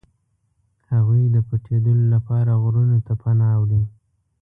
هغوی د پټېدلو لپاره غرونو ته پناه وړي.